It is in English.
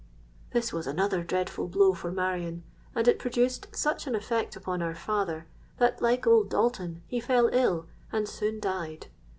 "This was another dreadful blow for Marion; and it produced such an effect upon our father, that, like old Dalton, he fell ill, and soon died.